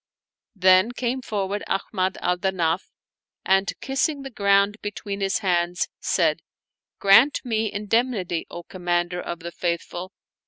" Then came forward Ahmad al Danaf, and, kissing the ground between his hands, said, " Grant me indemnity, O Commander of the Faithful